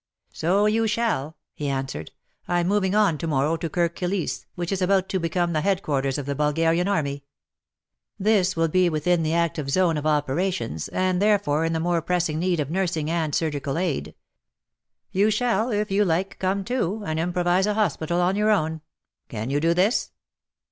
"So you shall," he answered ;" I'm moving on to morrow to Kirk Kilisse, which is about to become the headquarters of the Bulgarian army. This will be within the active zone of 46 WAR AND WOMEN operations, and therefore in the more pressing need of nursing and surgical aid. You shall if you like come too, and improvize a hospital on your own. Can you do this